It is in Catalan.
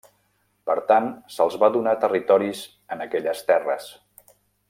Per tant, se'ls va donar territoris en aquelles terres.